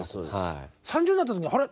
３０代になった時にあれ？